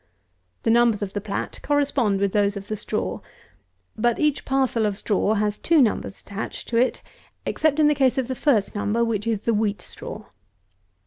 The numbers of the plat correspond with those of the straw; but each parcel of straw has two numbers attached to it, except in the case of the first number, which is the wheat straw.